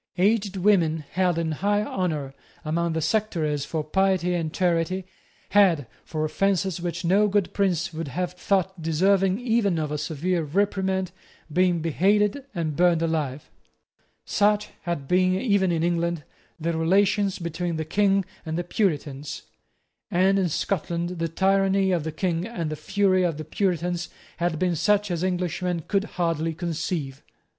Aged women held in high honour among the sectaries for piety and charity had, for offences which no good prince would have thought deserving even of a severe reprimand, been beheaded and burned alive. Such had been, even in England, the relations between the King and the Puritans; and in Scotland the tyranny of the King and the fury of the Puritans had been such as Englishmen could hardly conceive.